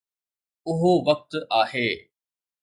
اهو وقت آهي.